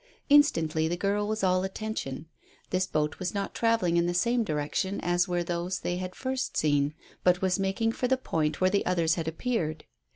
Instantly the girl was all attention. This boat was not travelling in the same direction as were those they had first seen, but was making for the point where the others had appeared.